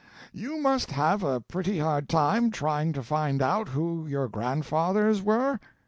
You must have a pretty hard time trying to find out who your grandfathers were?"